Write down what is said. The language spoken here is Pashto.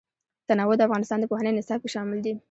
تنوع د افغانستان د پوهنې نصاب کې شامل دي.